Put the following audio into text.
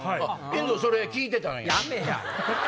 遠藤それ聞いてたんや。